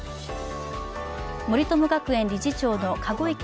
森友学園理事長の籠池